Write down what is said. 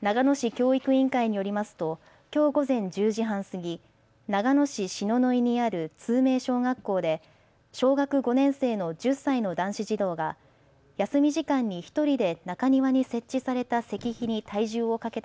長野市教育委員会によりますときょう午前１０時半過ぎ、長野市篠ノ井にある通明小学校で小学５年生の１０歳の男子児童が休み時間に１人で中庭に設置された石碑に体重をかけた